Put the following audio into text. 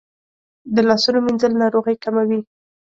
د لاسونو مینځل ناروغۍ کموي.